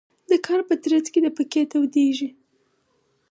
د کار په ترڅ کې د پکې تودیږي.